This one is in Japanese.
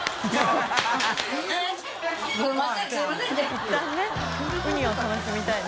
いったんねウニを楽しみたいね。